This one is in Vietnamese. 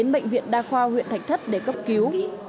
bệnh viện đa khoa huyện thạch thất cấp cứu